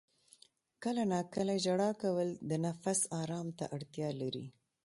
• کله ناکله ژړا کول د نفس آرام ته اړتیا لري.